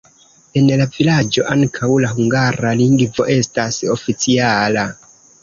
En la vilaĝo ankaŭ la hungara lingvo estas oficiala.